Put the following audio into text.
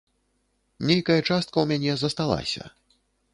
Нейкая частка ў мяне засталася.